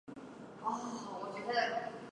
当地华人居民将坦帕译作天柏。